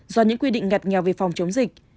do những quy định ngặt nghèo về phòng chống dịch